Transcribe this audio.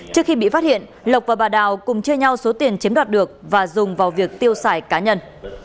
trước khi bị phát hiện lộc và bà đào cùng chia nhau số tiền chiếm đoạt được và dùng vào việc tiêu xài cá nhân